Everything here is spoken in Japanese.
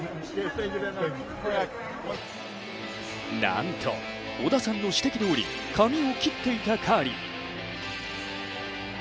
なんと織田さんの指摘どおり髪を切っていたカーリー。